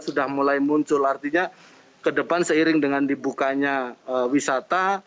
sudah mulai muncul artinya ke depan seiring dengan dibukanya wisata